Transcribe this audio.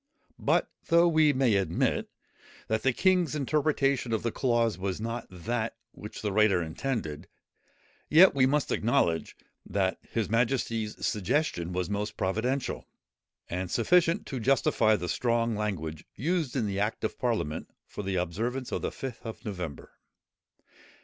But, though we may admit, that the king's interpretation of the clause was not that, which the writer intended, yet we must acknowledge, that his majesty's suggestion was most providential, and sufficient to justify the strong language used in the Act of Parliament for the observance of the Fifth of November.